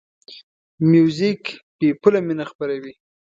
موزیک بېپوله مینه خپروي.